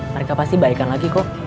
mereka pasti baikan lagi kok